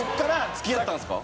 付き合ったんですか？